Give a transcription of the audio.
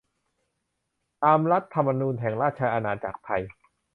ตามรัฐธรรมนูญแห่งราชอาณาจักรไทย